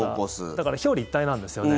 だから表裏一体なんですよね。